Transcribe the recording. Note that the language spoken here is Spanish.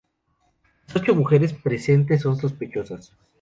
Las ocho mujeres presentes son sospechosas.